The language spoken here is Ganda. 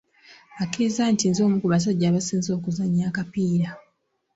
Akkiriza nti nze omu ku basajja abasinze okuzannya akapiira.